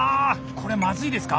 これまずいですか？